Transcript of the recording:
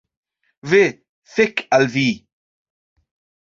Ve, fek al vi!